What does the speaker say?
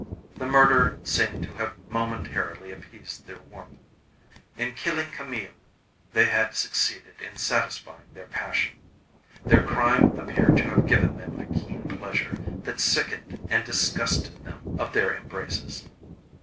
The murder seemed to have momentarily appeased their warmth. In killing Camille, they had succeeded in satisfying their passion. Their crime appeared to have given them a keen pleasure that sickened and disgusted them of their embraces.